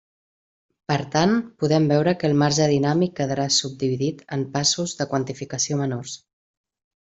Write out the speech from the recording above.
Per tant, podem veure que el marge dinàmic quedarà subdividit en passos de quantificació menors.